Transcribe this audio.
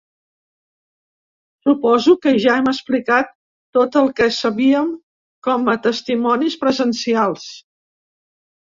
Suposo que ja hem explicat tot el que sabíem com a testimonis presencials.